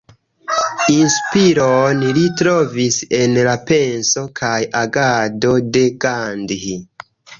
Inspiron li trovis en la penso kaj agado de Gandhi.